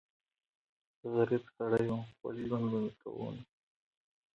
غريب سړی ووم خپل ژوندون به مې کوونه